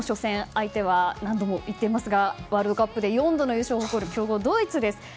相手は何度も言っていますがワールドカップで４度の優勝を誇る強豪ドイツです。